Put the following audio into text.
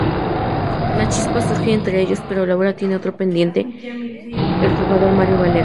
La chispa surge entre ellos pero Laura tiene otro pretendiente, el jugador Mario Valero.